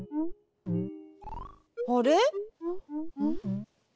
あれ？